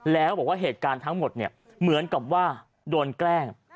แล้วบอกว่าเหตุการณ์ทั้งหมดเนี่ยเหมือนกับว่าโดนแกล้ง